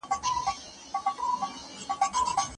د ارام ژوند زمينه يې برابره کړه.